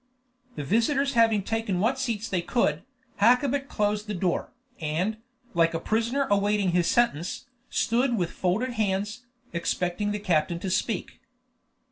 The visitors having taken what seats they could, Hakkabut closed the door, and, like a prisoner awaiting his sentence, stood with folded hands, expecting the captain to speak.